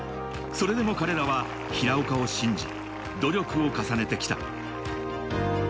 それでも彼らは平岡を信じ、信じ、努力を重ねてきた。